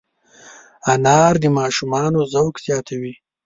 انار د ماشومانو ذوق زیاتوي.